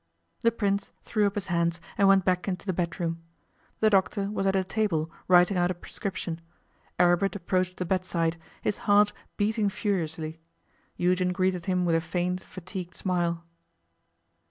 The Prince threw up his hands and went back in to the bedroom. The doctor was at a table writing out a prescription. Aribert approached the bedside, his heart beating furiously. Eugen greeted him with a faint, fatigued smile.